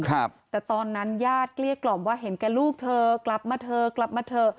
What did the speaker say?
แต่ตอนนั้นญาติกลี้โลกกล่อมว่าเห็นแกล้ยลูกเธอกลับมาเธอกลับมาเธอ